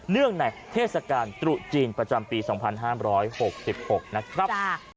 เนื่องในเทศกาลตรุษจีนประจำปี๒๕๖๖นะครับ